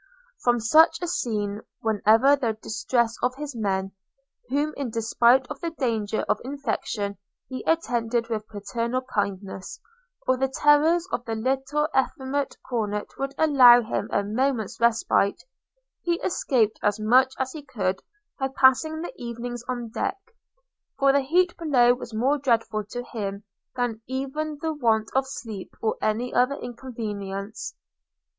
From such a scene, whenever the distresses of his men (whom in despite of the danger of infection he attended with paternal kindness) or the terrors of the little effeminate cornet would allow him a moment's respite, he escaped as much as he could by passing the evenings on deck; for the heat below was more dreadful to him than even the want of sleep or any other inconvenience.